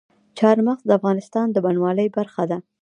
چار مغز د افغانستان د بڼوالۍ برخه ده.